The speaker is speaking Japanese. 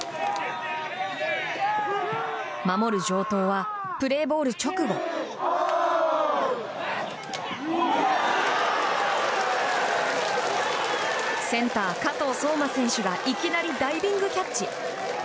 守る城東はプレーボール直後センター、加統蒼眞選手がいきなりダイビングキャッチ。